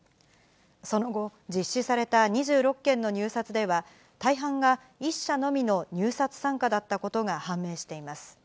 その後、実施された２６件の入札では、大半が１社のみの入札参加だったことが判明しています。